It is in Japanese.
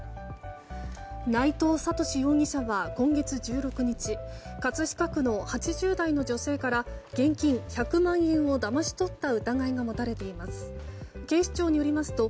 内藤智史容疑者は今月１６日葛飾区の８０代の女性から現金１００万円をだまし取った疑いが持たれています。